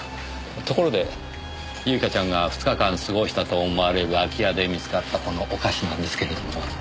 ところで唯香ちゃんが２日間過ごしたと思われる空き家で見つかったこのお菓子なんですけれども。